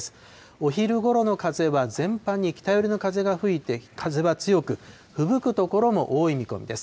お昼ごろの風は全般に北寄りの風が吹いて、風は強く、ふぶく所も多い見込みです。